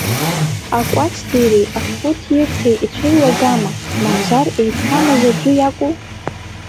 Акәац ҭиреи ашәҟәҭирҭеи ицәеилагама, мамзар еиқәшәамыз аӡәы иакәу?